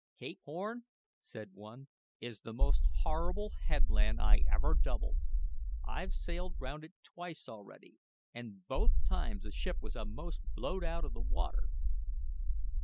"Cape Horn," said one, "is the most horrible headland I ever doubled. I've sailed round it twice already, and both times the ship was a'most blow'd out o' the water."